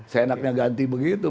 seenaknya ganti begitu